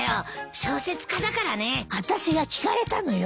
あたしが聞かれたのよ